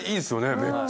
めっちゃ。